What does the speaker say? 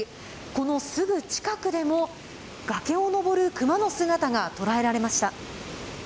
このすぐ近くにも崖を登るクマの姿が捉えられました。